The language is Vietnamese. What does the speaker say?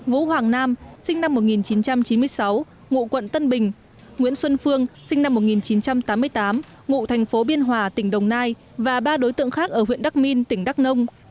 vũ hoàng nam sinh năm một nghìn chín trăm chín mươi sáu ngụ quận tân bình nguyễn xuân phương sinh năm một nghìn chín trăm tám mươi tám ngụ thành phố biên hòa tỉnh đồng nai và ba đối tượng khác ở huyện đắc minh tỉnh đắk nông